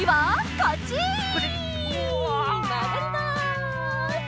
まがります！